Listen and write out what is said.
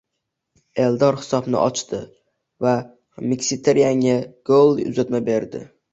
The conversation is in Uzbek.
Eldor hisobni ochdi va Mxitaryanga golli uzatma berdi